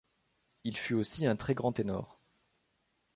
Il fut aussi un très grand ténor.